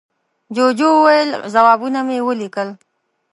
جوجو وویل، ځوابونه مې وليکل.